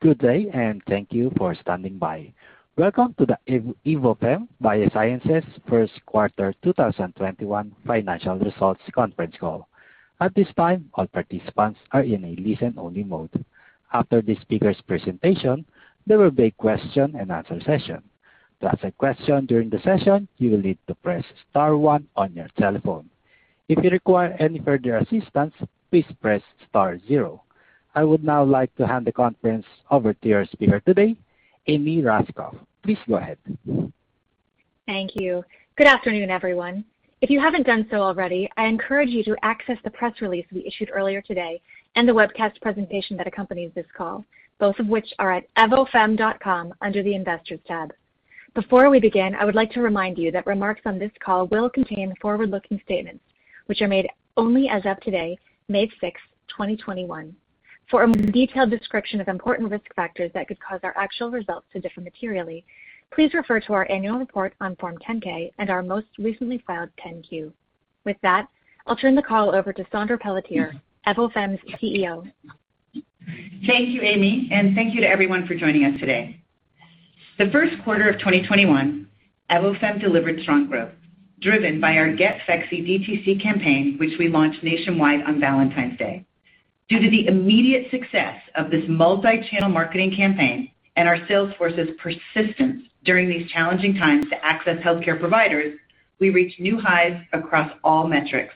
Good day. Thank you for standing by. Welcome to the Evofem Biosciences first quarter 2021 financial results conference call. At this time, all participants are in a listen-only mode. After the speakers' presentation, there will be a question and answer session. To ask a question during the session, you will need to press star one on your telephone. If you require any further assistance, please press star zero. I would now like to hand the conference over to your speaker today, Amy Raskopf. Please go ahead. Thank you. Good afternoon, everyone. If you haven't done so already, I encourage you to access the press release we issued earlier today and the webcast presentation that accompanies this call, both of which are at evofem.com under the Investors tab. Before we begin, I would like to remind you that remarks on this call will contain forward-looking statements, which are made only as of today, May 6th, 2021. For a more detailed description of important risk factors that could cause our actual results to differ materially, please refer to our annual report on Form 10-K and our most recently filed 10-Q. With that, I'll turn the call over to Saundra Pelletier, Evofem's CEO. Thank you, Amy. Thank you to everyone for joining us today. The first quarter of 2021, Evofem delivered strong growth driven by our Get Phexxi DTC campaign, which we launched nationwide on Valentine's Day. Due to the immediate success of this multi-channel marketing campaign and our sales force's persistence during these challenging times to access healthcare providers, we reached new highs across all metrics,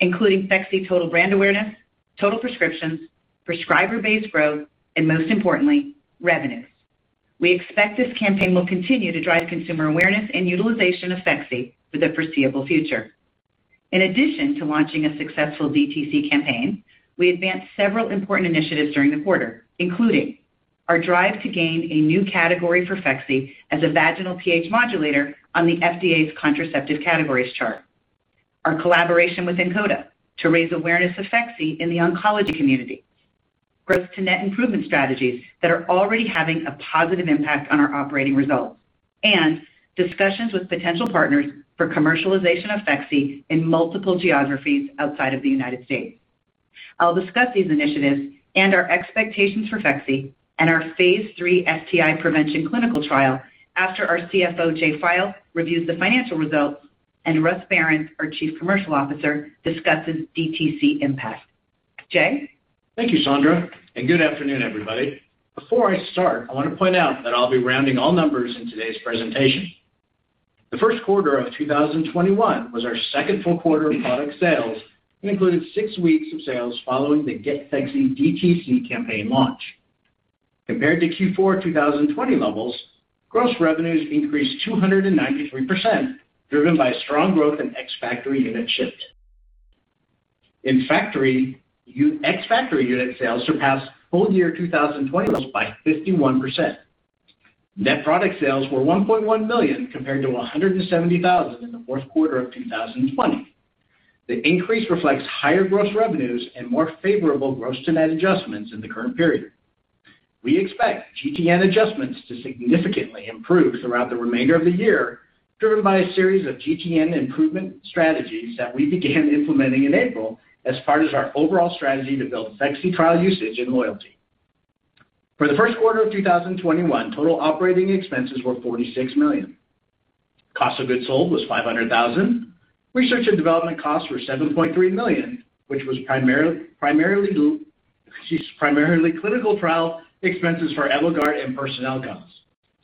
including Phexxi total brand awareness, total prescriptions, prescriber-based growth, and most importantly, revenues. We expect this campaign will continue to drive consumer awareness and utilization of Phexxi for the foreseeable future. In addition to launching a successful DTC campaign, we advanced several important initiatives during the quarter, including our drive to gain a new category for Phexxi as a vaginal pH modulator on the FDA's contraceptive categories chart, our collaboration with NCODA to raise awareness of Phexxi in the oncology community, gross to net improvement strategies that are already having a positive impact on our operating results, and discussions with potential partners for commercialization of Phexxi in multiple geographies outside of the United States. I'll discuss these initiatives and our expectations for Phexxi and our phase III STI prevention clinical trial after our Chief Financial Officer, Jay File, reviews the financial results and Russ Barrans, our Chief Commercial Officer, discusses DTC impact. Jay? Thank you, Saundra. Good afternoon, everybody. Before I start, I want to point out that I'll be rounding all numbers in today's presentation. The first quarter of 2021 was our second full quarter of product sales and included six weeks of sales following the Get Phexxi DTC campaign launch. Compared to Q4 2020 levels, gross revenues increased 293%, driven by strong growth in ex-factory units shipped. Ex-factory unit sales surpassed full year 2020 levels by 51%. Net product sales were $1.1 million compared to $170,000 in the fourth quarter of 2020. The increase reflects higher gross revenues and more favorable gross to net adjustments in the current period. We expect GTN adjustments to significantly improve throughout the remainder of the year, driven by a series of GTN improvement strategies that we began implementing in April as part of our overall strategy to build Phexxi trial usage and loyalty. For the first quarter of 2021, total operating expenses were $46 million. Cost of goods sold was $500,000. Research and development costs were $7.3 million, which was primarily clinical trial expenses for EVOGUARD and personnel costs.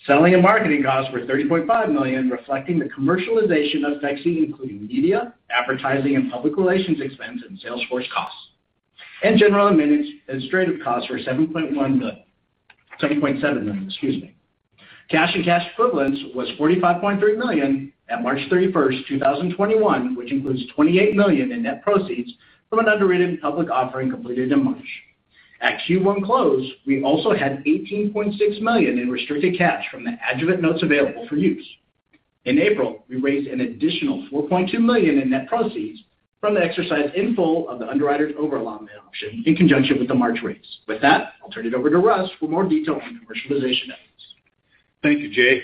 Selling and marketing costs were $30.5 million, reflecting the commercialization of Phexxi, including media, advertising, and public relations expense and sales force costs. General administrative costs were $7.7 million, excuse me. Cash and cash equivalents was $45.3 million at March 31st, 2021, which includes $28 million in net proceeds from an underwritten public offering completed in March. At Q1 close, we also had $18.6 million in restricted cash from the Adjuvant notes available for use. In April, we raised an additional $4.2 million in net proceeds from the exercise in full of the underwriter's over allotment option in conjunction with the March raise. With that, I'll turn it over to Russ for more details on the commercialization efforts. Thank you, Jay.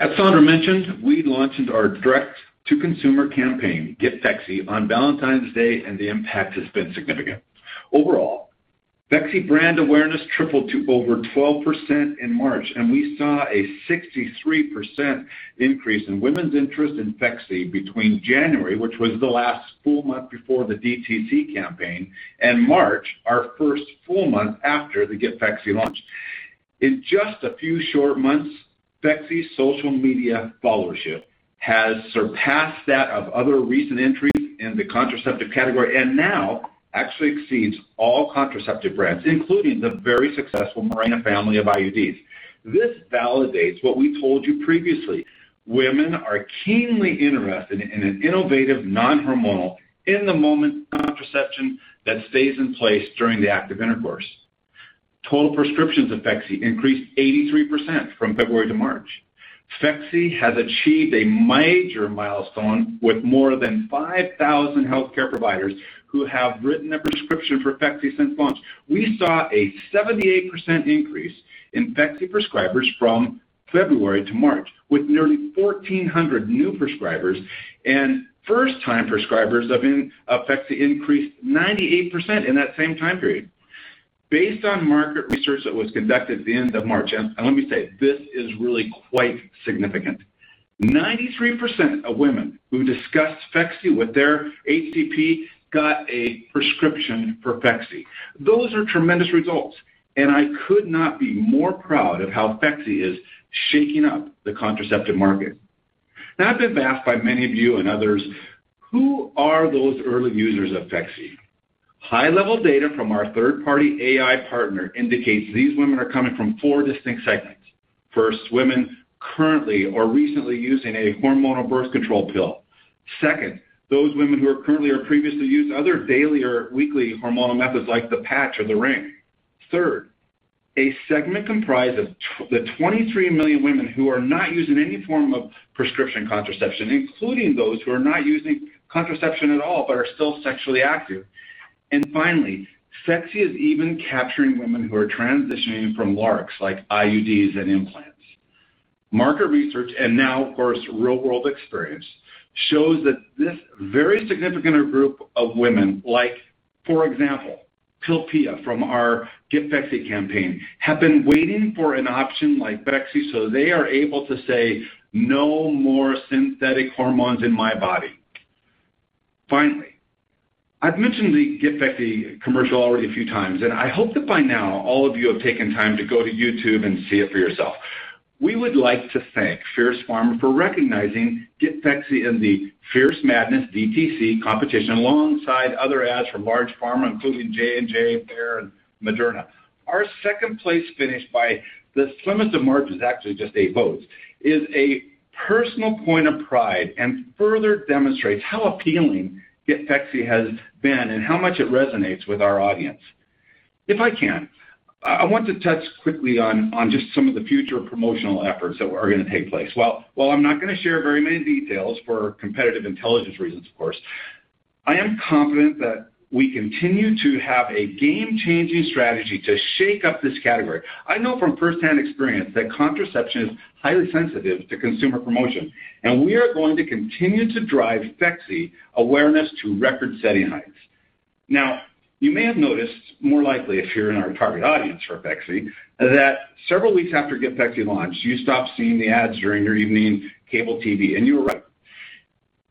As Saundra mentioned, we launched our direct-to-consumer campaign, Get Phexxi, on Valentine's Day. The impact has been significant. Overall, Phexxi brand awareness tripled to over 12% in March, and we saw a 63% increase in women's interest in Phexxi between January, which was the last full month before the DTC campaign, and March, our first full month after the Get Phexxi launch. In just a few short months, Phexxi social media followership has surpassed that of other recent entries in the contraceptive category and now actually exceeds all contraceptive brands, including the very successful Mirena family of IUDs. This validates what we told you previously. Women are keenly interested in an innovative, non-hormonal, in-the-moment contraception that stays in place during the act of intercourse. Total prescriptions of Phexxi increased 83% from February to March. Phexxi has achieved a major milestone with more than 5,000 healthcare providers who have written a prescription for Phexxi since launch. We saw a 78% increase in Phexxi prescribers from. February to March, with nearly 1,400 new prescribers and first-time prescribers of Phexxi increased 98% in that same time period. Based on market research that was conducted at the end of March, let me say, this is really quite significant. 93% of women who discussed Phexxi with their HCP got a prescription for Phexxi. Those are tremendous results, I could not be more proud of how Phexxi is shaking up the contraceptive market. I've been asked by many of you and others, who are those early users of Phexxi? High-level data from our third-party AI partner indicates these women are coming from four distinct segments. First, women currently or recently using a hormonal birth control pill. Second, those women who are currently or previously used other daily or weekly hormonal methods like the patch or the ring. A segment comprised of the 23 million women who are not using any form of prescription contraception, including those who are not using contraception at all but are still sexually active. Finally, Phexxi is even capturing women who are transitioning from LARCs like IUDs and implants. Market research, and now, of course, real-world experience, shows that this very significant group of women, like, for example, Pilpia from our Get Phexxi campaign, have been waiting for an option like Phexxi so they are able to say, "No more synthetic hormones in my body." I've mentioned the Get Phexxi commercial already a few times, and I hope that by now all of you have taken time to go to YouTube and see it for yourself. We would like to thank Fierce Pharma for recognizing Get Phexxi in the Fierce Madness DTC competition alongside other ads from large pharma, including J&J, Bayer, and Moderna. Our second-place finish by the slimmest of margins, actually just eight votes, is a personal point of pride and further demonstrates how appealing Get Phexxi has been and how much it resonates with our audience. If I can, I want to touch quickly on just some of the future promotional efforts that are going to take place. While I'm not going to share very many details for competitive intelligence reasons, of course, I am confident that we continue to have a game-changing strategy to shake up this category. I know from firsthand experience that contraception is highly sensitive to consumer promotion, and we are going to continue to drive Phexxi awareness to record-setting heights. Now, you may have noticed, more likely if you're in our target audience for Phexxi, that several weeks after Get Phexxi launched, you stopped seeing the ads during your evening cable TV, and you were right.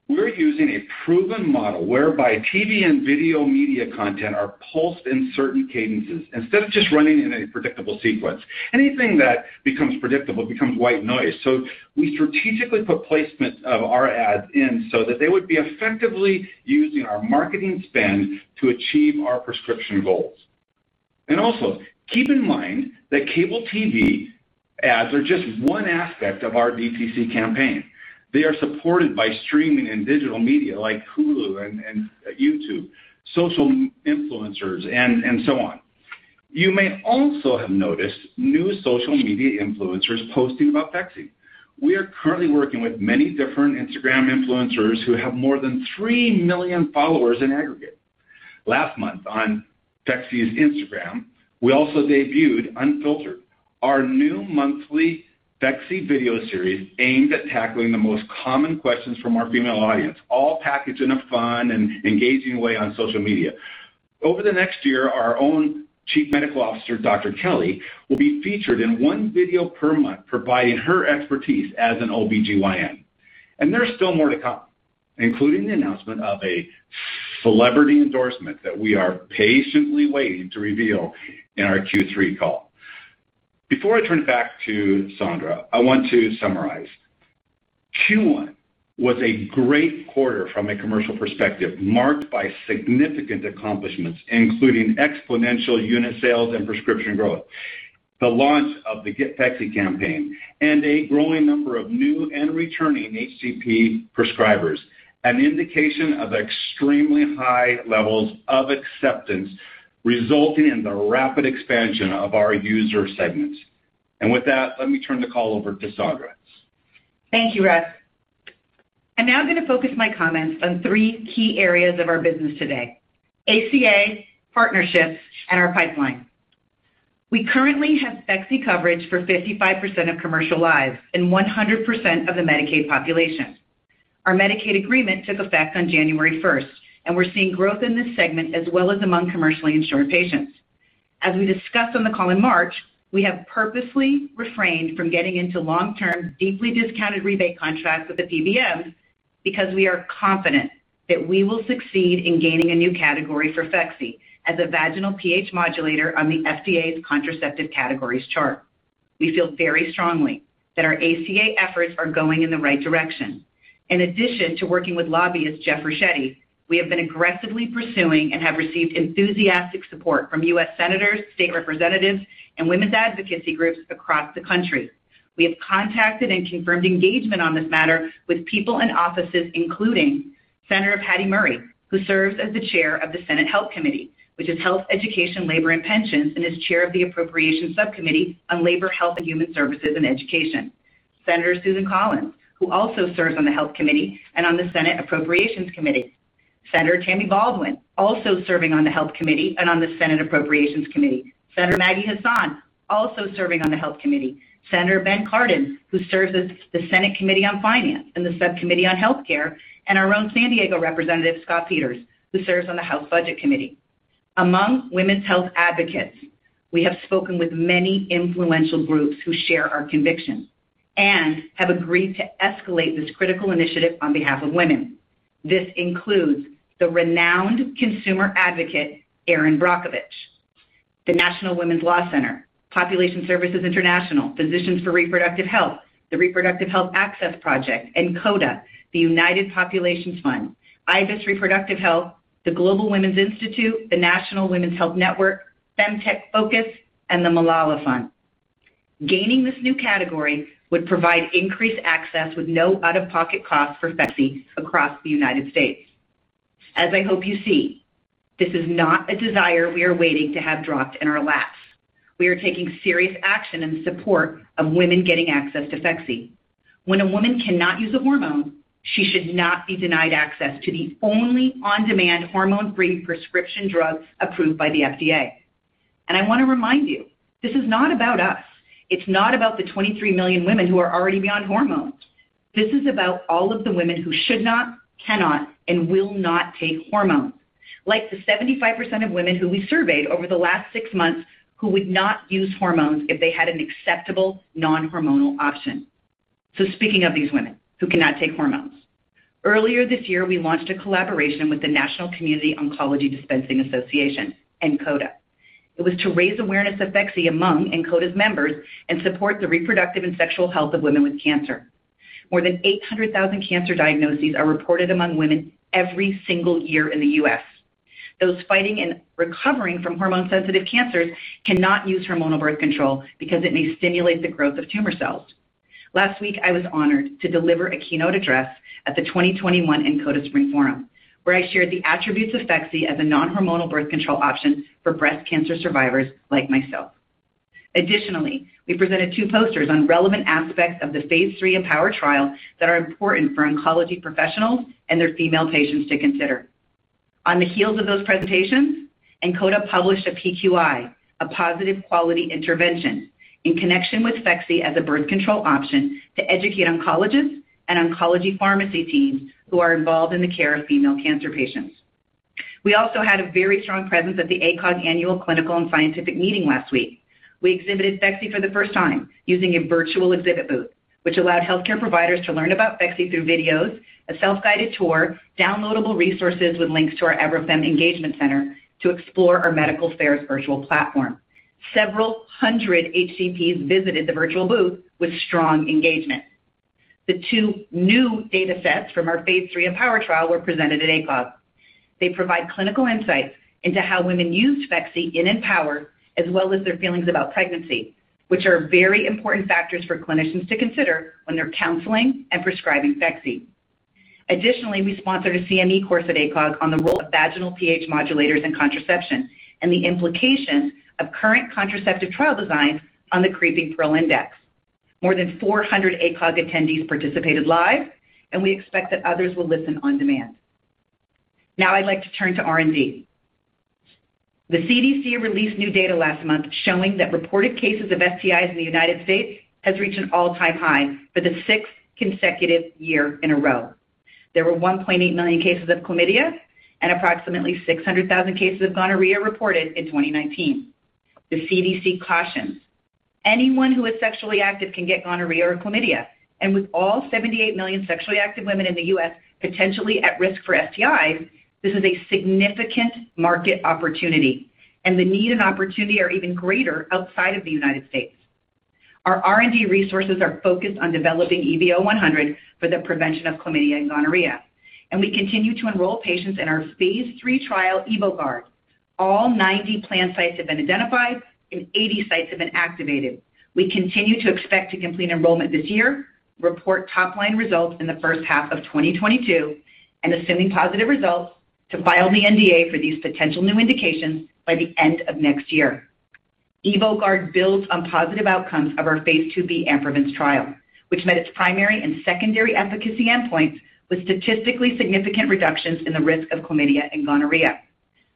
We're using a proven model whereby TV and video media content are pulsed in certain cadences instead of just running in a predictable sequence. Anything that becomes predictable becomes white noise. We strategically put placements of our ads in so that they would be effectively using our marketing spend to achieve our prescription goals. Also, keep in mind that cable TV ads are just one aspect of our DTC campaign. They are supported by streaming and digital media like Hulu and YouTube, social influencers, and so on. You may also have noticed new social media influencers posting about Phexxi. We are currently working with many different Instagram influencers who have more than 3 million followers in aggregate. Last month on Phexxi's Instagram, we also debuted Unfiltered, our new monthly Phexxi video series aimed at tackling the most common questions from our female audience, all packaged in a fun and engaging way on social media. Over the next year, our own Chief Medical Officer, Dr. Kelly, will be featured in one video per month providing her expertise as an OBGYN. There's still more to come, including the announcement of a celebrity endorsement that we are patiently waiting to reveal in our Q3 call. Before I turn it back to Saundra, I want to summarize. Q1 was a great quarter from a commercial perspective, marked by significant accomplishments, including exponential unit sales and prescription growth, the launch of the Get Phexxi campaign, and a growing number of new and returning HCP prescribers, an indication of extremely high levels of acceptance resulting in the rapid expansion of our user segments. With that, let me turn the call over to Saundra. Thank you, Russ. I'm now going to focus my comments on three key areas of our business today: ACA, partnerships, and our pipeline. We currently have Phexxi coverage for 55% of commercial lives and 100% of the Medicaid population. Our Medicaid agreement took effect on January 1st, we're seeing growth in this segment as well as among commercially insured patients. As we discussed on the call in March, we have purposely refrained from getting into long-term, deeply discounted rebate contracts with the PBMs because we are confident that we will succeed in gaining a new category for Phexxi as a vaginal pH modulator on the FDA's contraceptive categories chart. We feel very strongly that our ACA efforts are going in the right direction. In addition to working with lobbyist Jeff Ricchetti, we have been aggressively pursuing and have received enthusiastic support from U.S. senators, state representatives, and women's advocacy groups across the country. We have contacted and confirmed engagement on this matter with people in offices including Senator Patty Murray, who serves as the chair of the Senate Committee on Health, Education, Labor, and Pensions, and is chair of the Senate Appropriations Subcommittee on Labor, Health and Human Services, Education, and Related Agencies. Senator Susan Collins, who also serves on the Health Committee and on the Senate Appropriations Committee. Senator Tammy Baldwin, also serving on the Health Committee and on the Senate Appropriations Committee. Senator Maggie Hassan, also serving on the Health Committee. Senator Ben Cardin, who serves as the Senate Committee on Finance and the Subcommittee on Healthcare, and our own San Diego representative, Scott Peters, who serves on the House Budget Committee. Among women's health advocates, we have spoken with many influential groups who share our convictions and have agreed to escalate this critical initiative on behalf of women. This includes the renowned consumer advocate, Erin Brockovich, the National Women's Law Center, Population Services International, Physicians for Reproductive Health, the Reproductive Health Access Project, NCODA, the United Nations Population Fund, Ibis Reproductive Health, the Global Women's Institute, the National Women's Health Network, FemTech Focus, and the Malala Fund. Gaining this new category would provide increased access with no out-of-pocket cost for Phexxi across the United States. As I hope you see, this is not a desire we are waiting to have dropped in our laps. We are taking serious action in support of women getting access to Phexxi. When a woman cannot use a hormone, she should not be denied access to the only on-demand hormone-free prescription drug approved by the FDA. I want to remind you, this is not about us. It's not about the 23 million women who are already beyond hormones. This is about all of the women who should not, cannot, and will not take hormones. Like the 75% of women who we surveyed over the last six months who would not use hormones if they had an acceptable non-hormonal option. Speaking of these women who cannot take hormones, earlier this year, we launched a collaboration with the National Community Oncology Dispensing Association, NCODA. It was to raise awareness of Phexxi among NCODA's members and support the reproductive and sexual health of women with cancer. More than 800,000 cancer diagnoses are reported among women every single year in the U.S. Those fighting and recovering from hormone-sensitive cancers cannot use hormonal birth control because it may stimulate the growth of tumor cells. Last week, I was honored to deliver a keynote address at the 2021 NCODA Spring Forum, where I shared the attributes of Phexxi as a non-hormonal birth control option for breast cancer survivors like myself. Additionally, we presented two posters on relevant aspects of the phase III AMPOWER trial that are important for oncology professionals and their female patients to consider. On the heels of those presentations, NCODA published a PQI, a positive quality intervention, in connection with Phexxi as a birth control option to educate oncologists and oncology pharmacy teams who are involved in the care of female cancer patients. We also had a very strong presence at the ACOG Annual Clinical and Scientific Meeting last week. We exhibited Phexxi for the first time using a virtual exhibit booth, which allowed healthcare providers to learn about Phexxi through videos, a self-guided tour, downloadable resources with links to our Evofem Engagement Center to explore our medical affairs virtual platform. Several hundred HCPs visited the virtual booth with strong engagement. The two new data sets from our phase III AMPOWER trial were presented at ACOG. They provide clinical insights into how women used Phexxi in AMPOWER, as well as their feelings about pregnancy, which are very important factors for clinicians to consider when they're counseling and prescribing Phexxi. Additionally, we sponsored a CME course at ACOG on the role of vaginal pH modulators in contraception and the implication of current contraceptive trial designs on the Pearl Index. More than 400 ACOG attendees participated live, and we expect that others will listen on demand. I'd like to turn to R&D. The CDC released new data last month showing that reported cases of STIs in the U.S. has reached an all-time high for the sixth consecutive year in a row. There were 1.8 million cases of chlamydia and approximately 600,000 cases of gonorrhea reported in 2019. The CDC cautions anyone who is sexually active can get gonorrhea or chlamydia. With all 78 million sexually active women in the U.S. potentially at risk for STIs, this is a significant market opportunity, the need and opportunity are even greater outside of the U.S. Our R&D resources are focused on developing EVO100 for the prevention of chlamydia and gonorrhea. We continue to enroll patients in our phase III trial, EVOGUARD. All 90 planned sites have been identified. 80 sites have been activated. We continue to expect to complete enrollment this year, report top-line results in the first half of 2022, and assuming positive results, to file the NDA for these potential new indications by the end of next year. EVOGUARD builds on positive outcomes of our phase II-B AMPROVEND trial, which met its primary and secondary efficacy endpoints with statistically significant reductions in the risk of chlamydia and gonorrhea.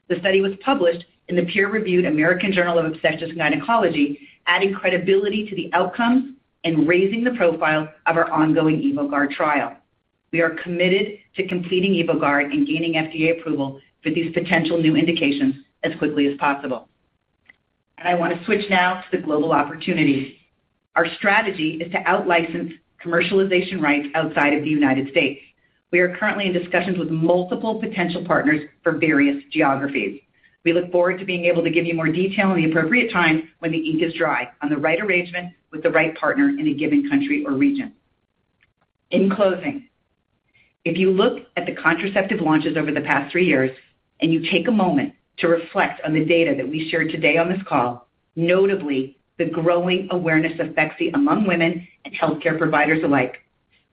The study was published in the peer-reviewed American Journal of Obstetrics and Gynecology, adding credibility to the outcomes and raising the profile of our ongoing EVOGUARD trial. We are committed to completing EVOGUARD and gaining FDA approval for these potential new indications as quickly as possible. I want to switch now to the global opportunities. Our strategy is to out-license commercialization rights outside of the U.S. We are currently in discussions with multiple potential partners for various geographies. We look forward to being able to give you more detail in the appropriate time when the ink is dry on the right arrangement with the right partner in a given country or region. In closing, if you look at the contraceptive launches over the past three years, and you take a moment to reflect on the data that we shared today on this call, notably the growing awareness of Phexxi among women and healthcare providers alike,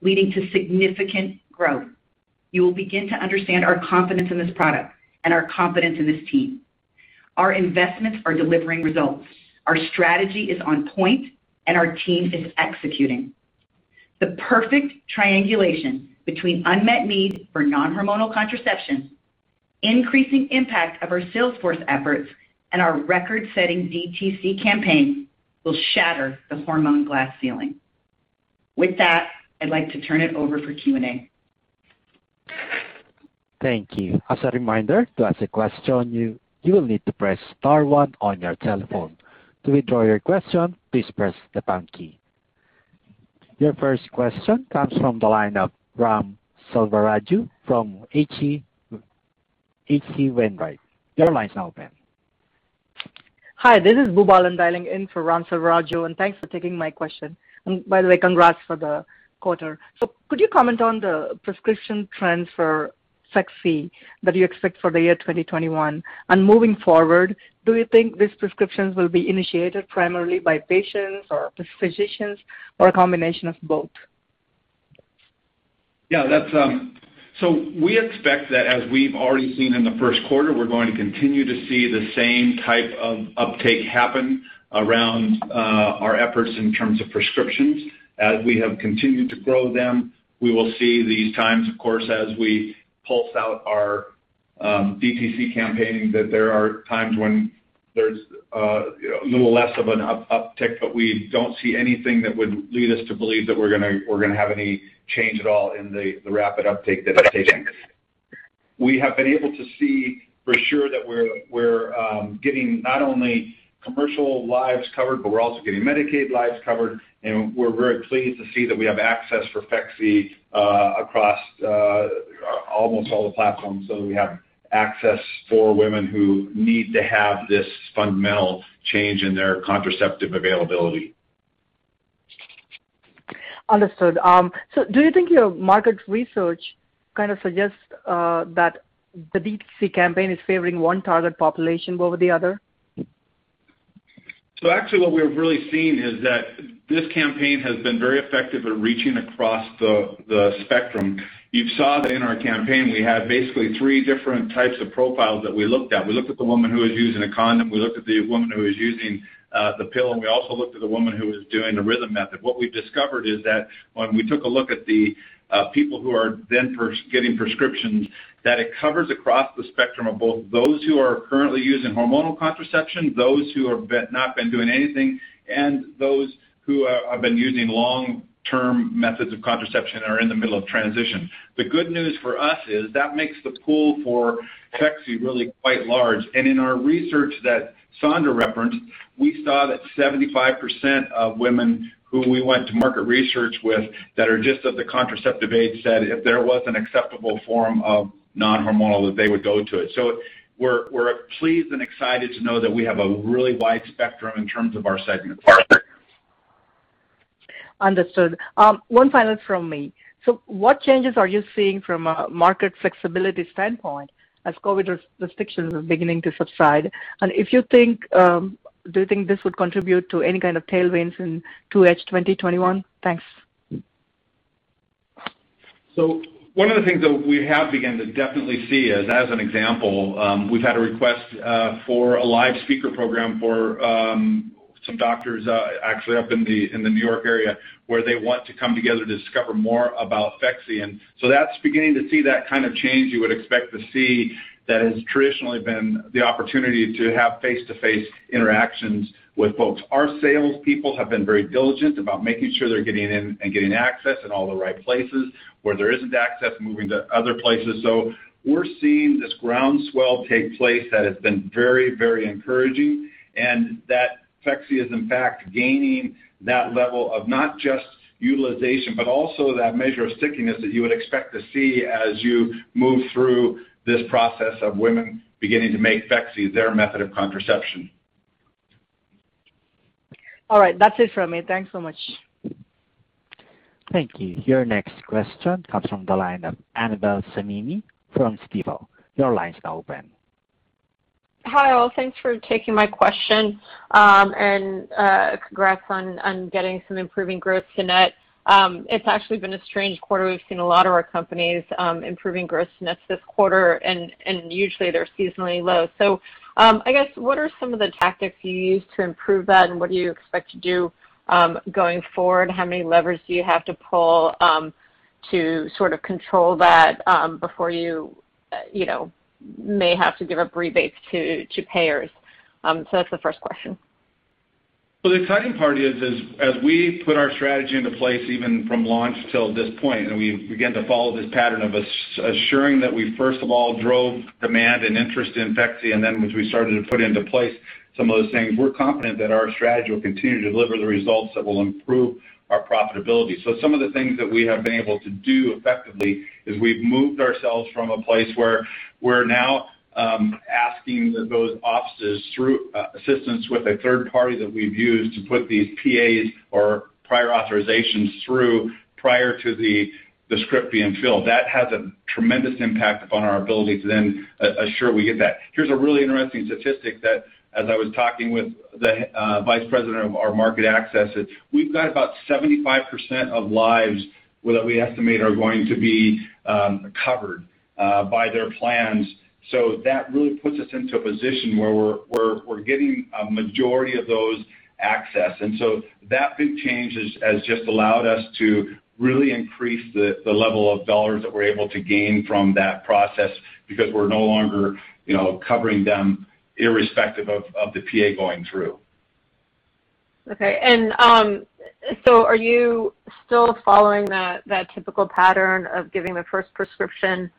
leading to significant growth. You will begin to understand our confidence in this product and our confidence in this team. Our investments are delivering results. Our strategy is on point, and our team is executing. The perfect triangulation between unmet need for non-hormonal contraception, increasing impact of our salesforce efforts, and our record-setting DTC campaign will shatter the hormone glass ceiling. With that, I'd like to turn it over for Q&A. Thank you. As a reminder, to ask a question, you will need to press star one on your telephone. To withdraw your question, please press the pound key. Your first question comes from the line of Ram Selvaraju from H.C. Wainwright. Your line's now open. Hi, this is Boobalan dialing in for Ram Selvaraju. Thanks for taking my question. By the way, congrats for the quarter. Could you comment on the prescription trends for Phexxi that you expect for the year 2021? Moving forward, do you think these prescriptions will be initiated primarily by patients or physicians or a combination of both? Yeah. We expect that as we've already seen in the first quarter, we're going to continue to see the same type of uptake happen around our efforts in terms of prescriptions as we have continued to grow them. We will see these times, of course, as we pulse out our DTC campaign, that there are times when there's a little less of an uptick. We don't see anything that would lead us to believe that we're going to have any change at all in the rapid uptake that we're seeing. We have been able to see for sure that we're getting not only commercial lives covered, but we're also getting Medicaid lives covered, and we're very pleased to see that we have access for Phexxi across almost all the platforms. We have access for women who need to have this fundamental change in their contraceptive availability. Understood. Do you think your market research kind of suggests that the DTC campaign is favoring one target population over the other? Actually what we've really seen is that this campaign has been very effective at reaching across the spectrum. You saw that in our campaign we had basically three different types of profiles that we looked at. We looked at the woman who was using a condom, we looked at the woman who was using the pill, and we also looked at the woman who was doing the rhythm method. What we've discovered is that when we took a look at the people who are then getting prescriptions, that it covers across the spectrum of both those who are currently using hormonal contraception, those who have not been doing anything, and those who have been using long-term methods of contraception or are in the middle of transition. The good news for us is that makes the pool for Phexxi really quite large. In our research that Saundra referenced, we saw that 75% of women who we went to market research with that are just of the contraceptive age said if there was an acceptable form of non-hormonal, that they would go to it. We're pleased and excited to know that we have a really wide spectrum in terms of our segments. Understood. One final from me. What changes are you seeing from a market flexibility standpoint as COVID restrictions are beginning to subside? Do you think this would contribute to any kind of tailwinds in 2H 2021? Thanks. One of the things that we have begun to definitely see is, as an example, we've had a request for a live speaker program for some doctors actually up in the New York area where they want to come together to discover more about Phexxi. That's beginning to see that kind of change you would expect to see that has traditionally been the opportunity to have face-to-face interactions with folks. Our salespeople have been very diligent about making sure they're getting in and getting access in all the right places. Where there isn't access, moving to other places. We're seeing this groundswell take place that has been very encouraging, and that Phexxi is in fact gaining that level of not just utilization, but also that measure of stickiness that you would expect to see as you move through this process of women beginning to make Phexxi their method of contraception. All right. That's it from me. Thanks so much. Thank you. Your next question comes from the line of Annabel Samimy from Stifel. Hi, all. Thanks for taking my question. Congrats on getting some improving gross to net. It's actually been a strange quarter. We've seen a lot of our companies improving gross nets this quarter. Usually they're seasonally low. I guess what are some of the tactics you used to improve that? What do you expect to do going forward? How many levers do you have to pull to sort of control that before you may have to give up rebates to payers? That's the first question. The exciting part is as we put our strategy into place, even from launch till this point, and we began to follow this pattern of assuring that we first of all drove demand and interest in Phexxi. As we started to put into place some of those things, we're confident that our strategy will continue to deliver the results that will improve our profitability. Some of the things that we have been able to do effectively is we've moved ourselves from a place where we're now asking those offices through assistance with a third party that we've used to put these PAs or prior authorizations through prior to the script being filled. That has a tremendous impact upon our ability to then assure we get that. Here's a really interesting statistic that as I was talking with the vice president of our market access is we've got about 75% of lives that we estimate are going to be covered by their plans. That really puts us into a position where we're getting a majority of those access. That big change has just allowed us to really increase the level of dollars that we're able to gain from that process because we're no longer covering them irrespective of the PA going through. Are you still following that typical pattern of giving the first prescription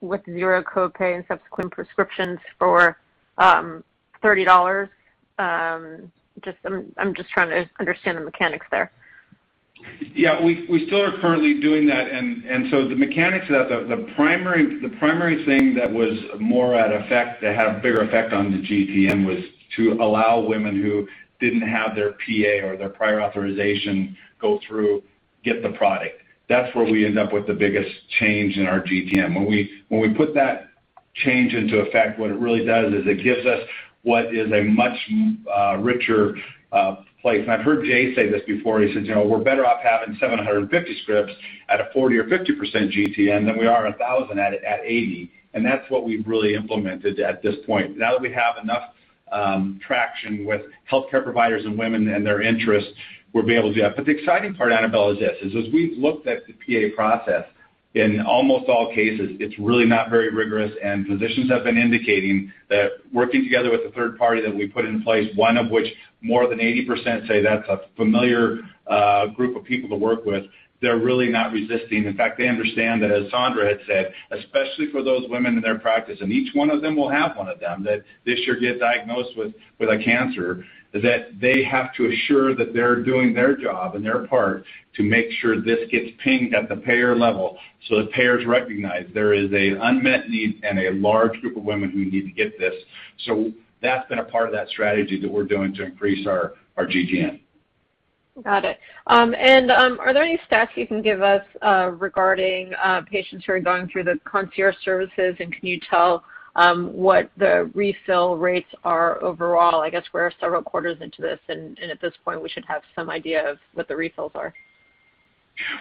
with zero copay and subsequent prescriptions for $30? I'm just trying to understand the mechanics there. Yeah, we still are currently doing that. The mechanics of that, the primary thing that was more at effect, that had a bigger effect on the GTM, was to allow women who didn't have their PA or their prior authorization go through, get the product. That's where we end up with the biggest change in our GTM. When we put that change into effect, what it really does is it gives us what is a much richer place. I've heard Jay say this before, he says, "We're better off having 750 scripts at a 40% or 50% GTM than we are 1,000 at 80." That's what we've really implemented at this point. Now that we have enough traction with healthcare providers and women and their interest, we'll be able to do that. The exciting part, Annabel, is this, as we've looked at the PA process, in almost all cases, it's really not very rigorous, and physicians have been indicating that working together with the third party that we put in place, one of which more than 80% say that's a familiar group of people to work with. They're really not resisting. In fact, they understand that, as Saundra had said, especially for those women in their practice, and each one of them will have one of them that this year get diagnosed with a cancer, that they have to assure that they're doing their job and their part to make sure this gets pinged at the payer level so that payers recognize there is an unmet need and a large group of women who need to get this. That's been a part of that strategy that we're doing to increase our GTM. Got it. Are there any stats you can give us regarding patients who are going through the concierge services? Can you tell what the refill rates are overall? I guess we're several quarters into this, and at this point, we should have some idea of what the refills are.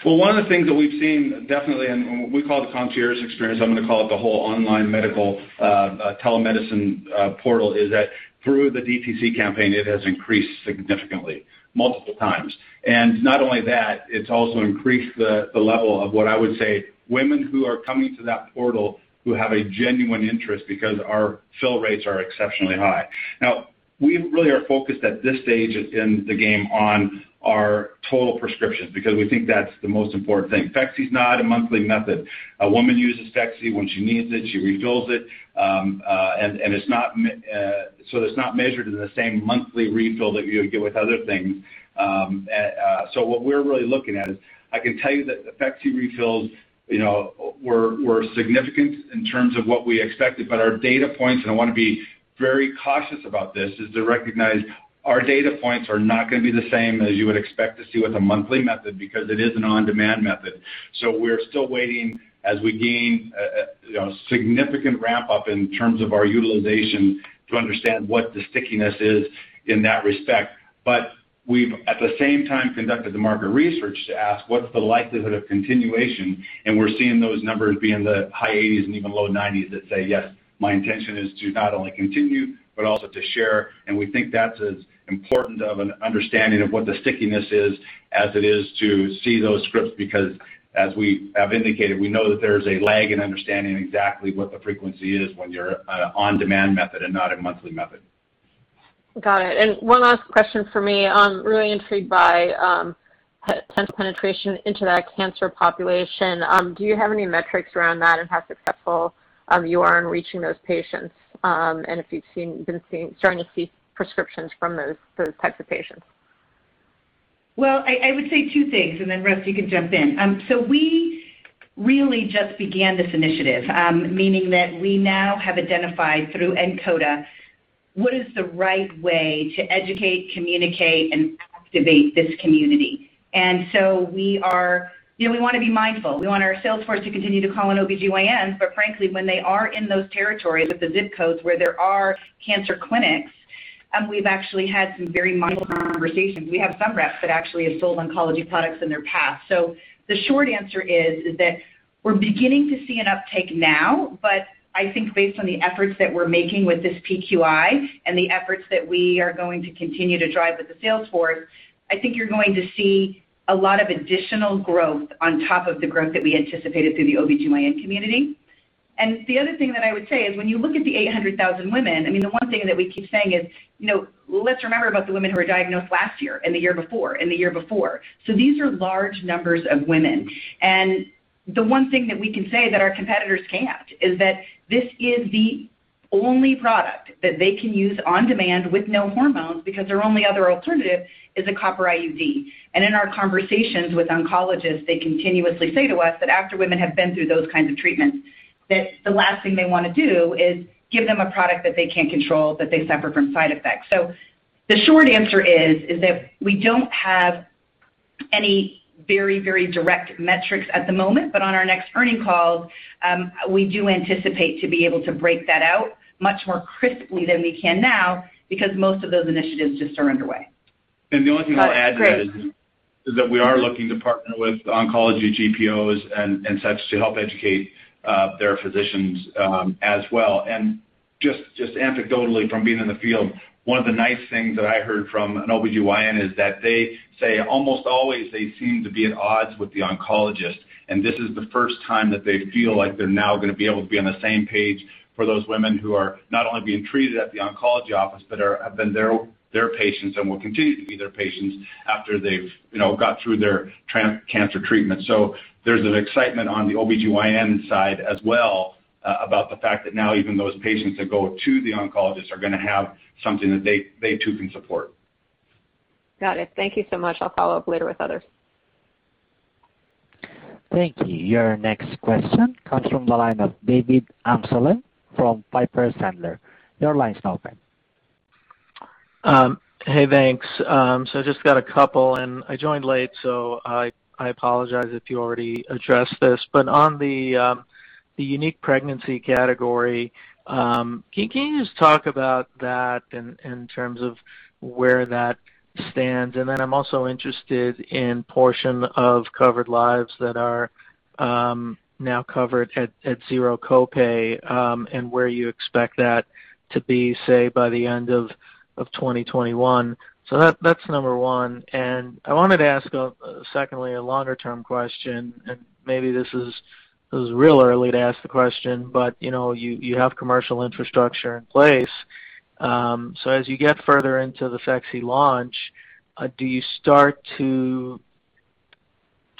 Well, one of the things that we've seen definitely, and what we call the concierge experience, I'm going to call it the whole online medical telemedicine portal, is that through the DTC campaign, it has increased significantly multiple times. Not only that, it's also increased the level of what I would say women who are coming to that portal who have a genuine interest because our fill rates are exceptionally high. Now, we really are focused at this stage in the game on our total prescriptions because we think that's the most important thing. Phexxi's not a monthly method. A woman uses Phexxi when she needs it, she refills it. It's not measured in the same monthly refill that you would get with other things. What we're really looking at is, I can tell you that the Phexxi refills were significant in terms of what we expected, but our data points, and I want to be very cautious about this, is to recognize our data points are not going to be the same as you would expect to see with a monthly method because it is an on-demand method. We're still waiting as we gain a significant ramp-up in terms of our utilization to understand what the stickiness is in that respect. We've, at the same time, conducted the market research to ask what's the likelihood of continuation, and we're seeing those numbers be in the high 80s and even low 90s that say, "Yes, my intention is to not only continue, but also to share." We think that's as important of an understanding of what the stickiness is as it is to see those scripts because, as we have indicated, we know that there's a lag in understanding exactly what the frequency is when you're an on-demand method and not a monthly method. Got it. One last question from me. I'm really intrigued by penetration into that cancer population. Do you have any metrics around that and how successful you are in reaching those patients? If you've been starting to see prescriptions from those types of patients? I would say two things, and then Russ, you can jump in. We really just began this initiative, meaning that we now have identified through NCODA what is the right way to educate, communicate, and activate this community. We want to be mindful. We want our sales force to continue to call on OBGYNs, but frankly, when they are in those territories with the ZIP codes where there are cancer clinics, we've actually had some very mindful conversations. We have some reps that actually have sold oncology products in their past. The short answer is that we're beginning to see an uptake now, but I think based on the efforts that we're making with this PQI and the efforts that we are going to continue to drive with the sales force, I think you're going to see a lot of additional growth on top of the growth that we anticipated through the OB-GYN community. The other thing that I would say is when you look at the 800,000 women, the one thing that we keep saying is, let's remember about the women who were diagnosed last year and the year before and the year before. These are large numbers of women. The one thing that we can say that our competitors can't is that this is the only product that they can use on-demand with no hormones because their only other alternative is a copper IUD. In our conversations with oncologists, they continuously say to us that after women have been through those kinds of treatments, that the last thing they want to do is give them a product that they can't control, that they suffer from side effects. The short answer is that we don't have any very direct metrics at the moment, but on our next earning call, we do anticipate to be able to break that out much more crisply than we can now because most of those initiatives just are underway. The only thing I'll add to that is that we are looking to partner with oncology GPOs and such to help educate their physicians as well. Just anecdotally from being in the field, one of the nice things that I heard from an OBGYN is that they say almost always they seem to be at odds with the oncologist, and this is the first time that they feel like they're now going to be able to be on the same page for those women who are not only being treated at the oncology office, but have been their patients and will continue to be their patients after they've got through their cancer treatment. There's an excitement on the OBGYN side as well about the fact that now even those patients that go to the oncologist are going to have something that they too can support. Got it. Thank you so much. I'll follow up later with others. Thank you. Your next question comes from the line of David Amsellem from Piper Sandler. Your line's now open. Hey, thanks. Just got a couple and I joined late, so I apologize if you already addressed this, but on the unique pregnancy category, can you just talk about that in terms of where that stands? I'm also interested in portion of covered lives that are now covered at zero copay, and where you expect that to be, say by the end of 2021. That's number one. I wanted to ask, secondly, a longer-term question, and maybe this is real early to ask the question, but you have commercial infrastructure in place. As you get further into the Phexxi launch, do you start to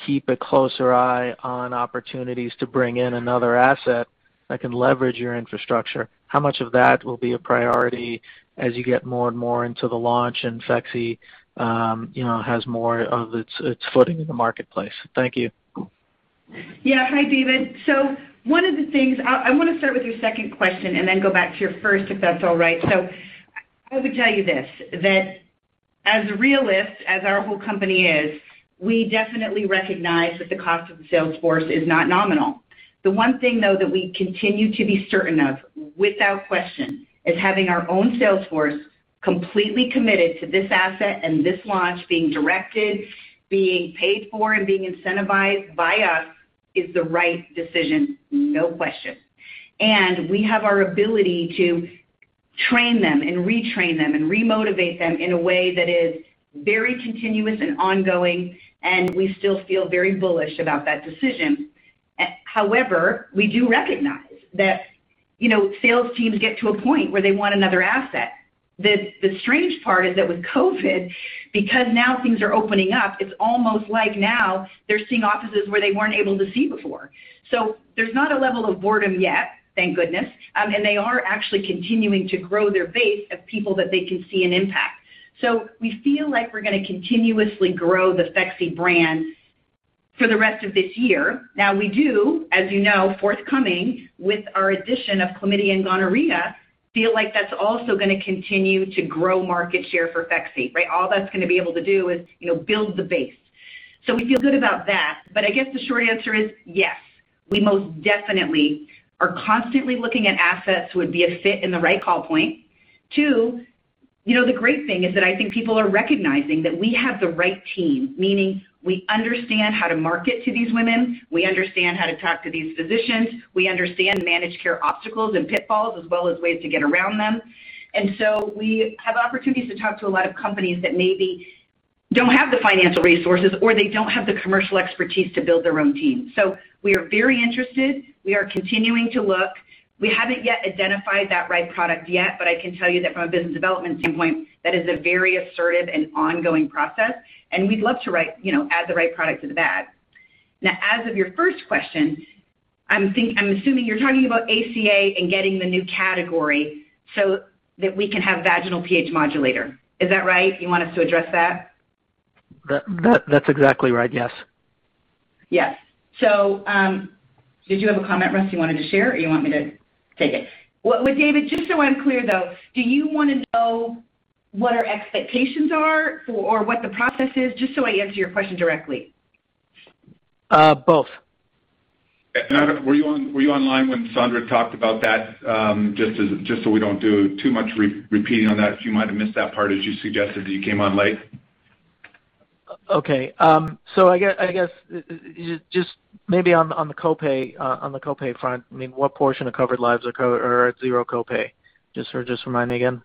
keep a closer eye on opportunities to bring in another asset that can leverage your infrastructure? How much of that will be a priority as you get more and more into the launch and Phexxi has more of its footing in the marketplace? Thank you. Hi, David. One of the things, I want to start with your second question and then go back to your first, if that's all right. I would tell you this, that as a realist, as our whole company is, we definitely recognize that the cost of the sales force is not nominal. The one thing, though, that we continue to be certain of, without question, is having our own sales force completely committed to this asset and this launch, being directed, being paid for, and being incentivized by us is the right decision. No question. We have our ability to train them and retrain them and re-motivate them in a way that is very continuous and ongoing, and we still feel very bullish about that decision. However, we do recognize that sales teams get to a point where they want another asset. The strange part is that with COVID, because now things are opening up, it's almost like now they're seeing offices where they weren't able to see before. There's not a level of boredom yet, thank goodness, and they are actually continuing to grow their base of people that they can see an impact. We feel like we're going to continuously grow the Phexxi brand for the rest of this year. We do, as you know, forthcoming with our addition of chlamydia and gonorrhea, feel like that's also going to continue to grow market share for Phexxi, right? All that's going to be able to do is build the base. We feel good about that. I guess the short answer is yes, we most definitely are constantly looking at assets who would be a fit in the right call point. Two, the great thing is that I think people are recognizing that we have the right team, meaning we understand how to market to these women, we understand how to talk to these physicians, we understand managed care obstacles and pitfalls, as well as ways to get around them. We have opportunities to talk to a lot of companies that maybe don't have the financial resources, or they don't have the commercial expertise to build their own team. We are very interested. We are continuing to look. We haven't yet identified that right product yet, but I can tell you that from a business development standpoint, that is a very assertive and ongoing process, and we'd love to add the right product to the bag. Now, as of your first question, I'm assuming you're talking about ACA and getting the new category so that we can have vaginal pH modulator. Is that right? You want us to address that? That's exactly right, yes. Yes. Did you have a comment, Russ, you wanted to share or you want me to take it? David, just so I'm clear, though, do you want to know what our expectations are or what the process is? Just so I answer your question directly. Both. Were you online when Saundra talked about that? Just so we don't do too much repeating on that. You might have missed that part, as you suggested that you came on late. Okay. I guess, just maybe on the copay front, what portion of covered lives are at zero copay? Just remind me again.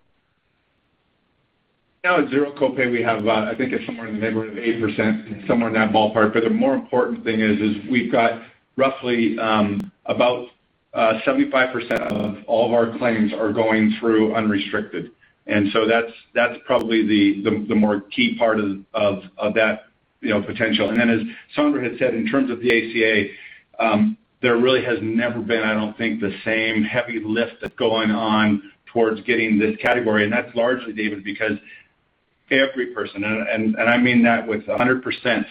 Now at zero copay, we have, I think it's somewhere in the neighborhood of 80%, somewhere in that ballpark. The more important thing is we've got roughly about 75% of all of our claims are going through unrestricted. That's probably the more key part of that potential. As Saundra Pelletier had said, in terms of the ACA, there really has never been, I don't think, the same heavy lift that's going on towards getting this category. That's largely, David, because every person, and I mean that with 100%,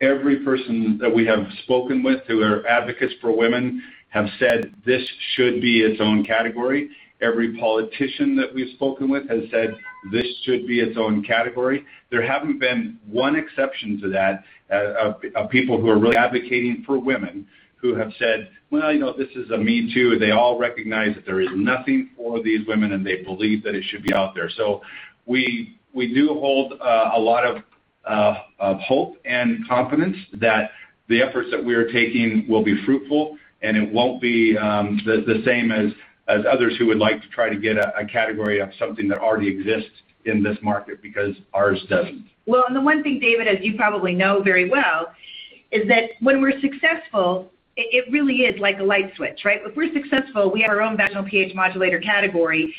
every person that we have spoken with who are advocates for women have said this should be its own category. Every politician that we've spoken with has said this should be its own category. There haven't been one exception to that of people who are really advocating for women who have said, "Well, this is a me too." They all recognize that there is nothing for these women, and they believe that it should be out there. We do hold a lot of hope and confidence that the efforts that we are taking will be fruitful, and it won't be the same as others who would like to try to get a category of something that already exists in this market because ours doesn't. The one thing, David, as you probably know very well, is that when we're successful, it really is like a light switch, right? If we're successful, we have our own vaginal pH modulator category,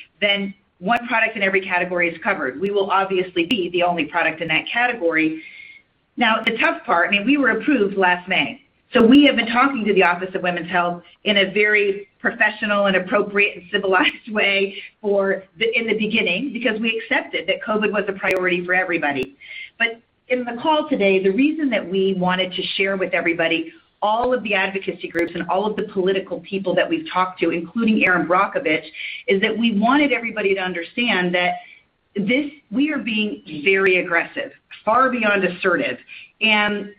one product in every category is covered. We will obviously be the only product in that category. The tough part, we were approved last May. We have been talking to the Office on Women's Health in a very professional and appropriate and civilized way in the beginning because we accepted that COVID was a priority for everybody. In the call today, the reason that we wanted to share with everybody, all of the advocacy groups and all of the political people that we've talked to, including Erin Brockovich, is that we wanted everybody to understand that we are being very aggressive, far beyond assertive.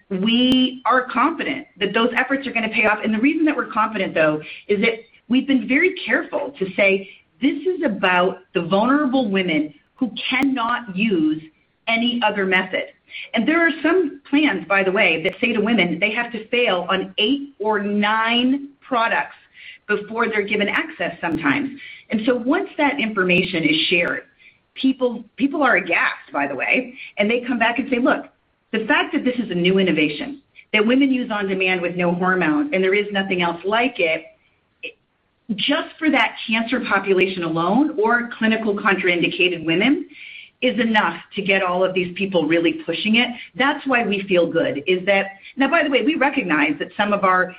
We are confident that those efforts are going to pay off. The reason that we're confident, though, is that we've been very careful to say this is about the vulnerable women who cannot use any other method. There are some plans, by the way, that say to women, they have to fail on eight or nine products before they're given access sometimes. Once that information is shared, people are aghast, by the way, and they come back and say, look, the fact that this is a new innovation that women use on-demand with no hormones, and there is nothing else like it, just for that cancer population alone or clinical contraindicated women, is enough to get all of these people really pushing it. That's why we feel good. Now, by the way, we recognize that some of our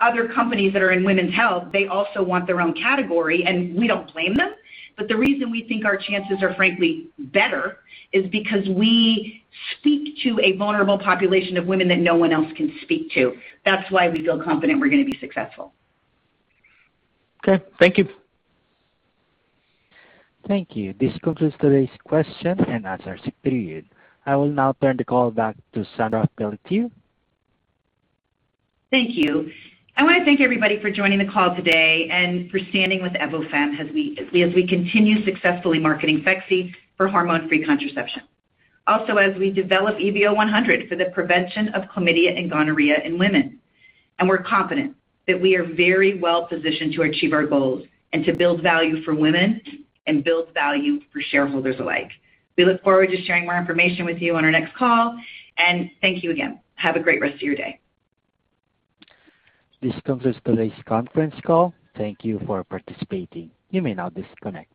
other companies that are in women's health, they also want their own category. We don't blame them. The reason we think our chances are frankly better is because we speak to a vulnerable population of women that no one else can speak to. That's why we feel confident we're going to be successful. Okay. Thank you. Thank you. This concludes today's question and answer period. I will now turn the call back to Saundra Pelletier. Thank you. I want to thank everybody for joining the call today and for standing with Evofem as we continue successfully marketing Phexxi for hormone-free contraception. Also, as we develop EVO100 for the prevention of chlamydia and gonorrhea in women. We're confident that we are very well positioned to achieve our goals and to build value for women and build value for shareholders alike. We look forward to sharing more information with you on our next call. Thank you again. Have a great rest of your day. This concludes today's conference call. Thank you for participating. You may now disconnect.